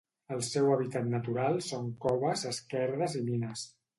El seu hàbitat natural són coves, esquerdes i mines.